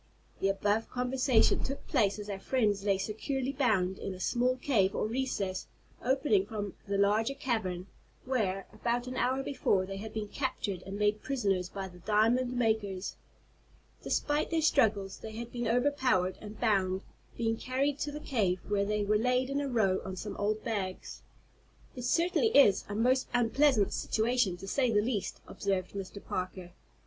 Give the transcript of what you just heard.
The above conversation took place as our friends lay securely bound in a small cave, or recess, opening from the larger cavern, where, about an hour before, they had been captured and made prisoners by the diamond makers. Despite their struggles they had been overpowered and bound, being carried to the cave, where they were laid in a row on some old bags. "It certainly is a most unpleasant situation, to say the least," observed Mr. Parker.